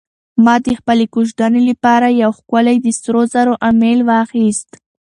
ما د خپلې کوژدنې لپاره یو ښکلی د سرو زرو امیل واخیست.